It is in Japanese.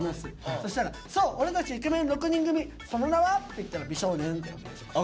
そしたら「そう俺たちイケメン６人組その名は」って言ったら「美少年」でお願いします。